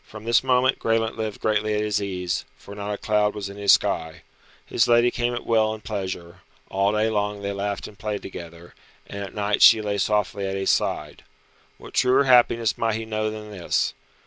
From this moment Graelent lived greatly at his ease, for not a cloud was in his sky. His lady came at will and pleasure; all day long they laughed and played together, and at night she lay softly at his side. What truer happiness might he know than this?